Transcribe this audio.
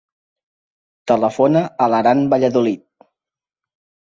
Telefona a l'Aran Valladolid.